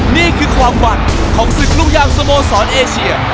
นี่คือความหวังของศึกลูกยางสโมสรเอเชีย